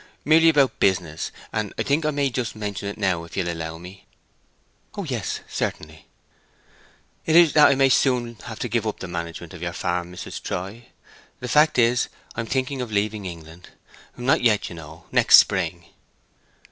"Merely about business, and I think I may just mention it now, if you'll allow me." "Oh yes, certainly." "It is that I may soon have to give up the management of your farm, Mrs. Troy. The fact is, I am thinking of leaving England—not yet, you know—next spring."